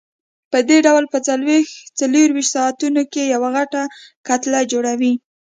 پدې ډول په څلورویشت ساعتونو کې یوه غټه کتله جوړوي.